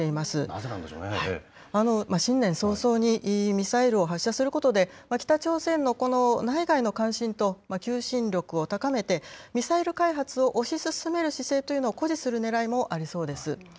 新年早々にミサイルを発射することで、北朝鮮のこの内外の関心と求心力を高めて、ミサイル開発を推し進める姿勢というのを誇示するねらいもありそうです。